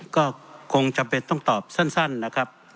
ก็คงจำเป็นต้องตอบสั้นนะครับ